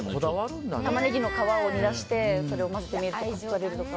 タマネギの皮を煮出して混ぜてみるとか。